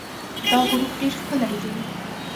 دا غروب ډېر ښکلی دی.